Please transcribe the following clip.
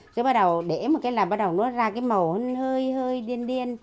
rồi bắt đầu để một cái là bắt đầu nó ra cái màu hơi hơi điên điên